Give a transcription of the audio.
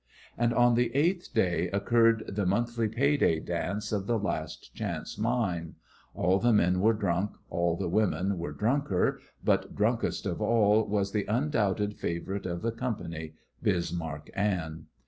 And on the eighth day occurred the monthly pay day dance of the Last Chance mine. All the men were drunk, all the women were drunker, but drunkest of all was the undoubted favourite of the company, Bismarck Anne.